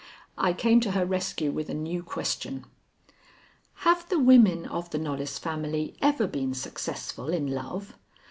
I came to her rescue with a new question: "Have the women of the Knollys family ever been successful in love?